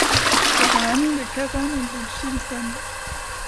C'est un ami de Kazan et de Chinzan.